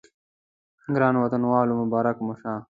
ګرانو وطنوالو مبارک مو شه.